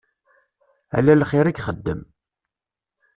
Ala lxir i ixeddem.